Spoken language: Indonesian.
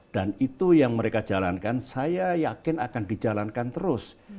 dan itu yang mereka jalankan saya yakin akan dijalankan terus